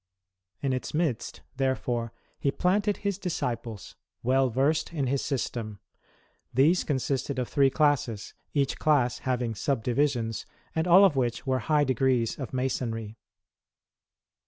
In its midst, therefore, he planted his disciples, well versed in his system. These consisted of three classes, each class having subdivisions, and all of which were high degrees of Masonry.